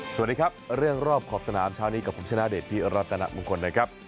สวัสดีครับเรื่องรอบขอบสนามเช้านี้กับผมชนะเดชพี่รัตนมงคลนะครับ